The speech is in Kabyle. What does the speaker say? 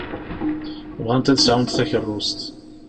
Bɣant ad sɛunt takeṛṛust.